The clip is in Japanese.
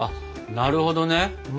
なるほどね。